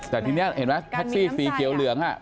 แต่ทีนี้เห็นไหมแท็กซี่สีเขียวเหลือง